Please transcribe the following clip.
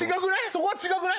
そこは違くない？